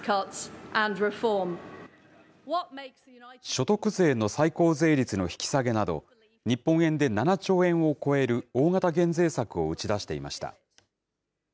所得税の最高税率の引き下げなど、日本円で７兆円を超える大型減税策を打ち出していました。